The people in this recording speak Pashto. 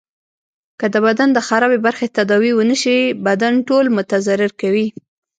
که د بدن د خرابي برخی تداوي ونه سي بدن ټول متضرر کوي.